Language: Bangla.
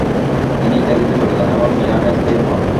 তিনি ইতালিতে চলে যান, এবং মিলানে স্থায়ী হন।